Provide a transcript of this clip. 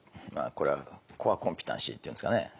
これはコアコンピテンシーっていうんですかね。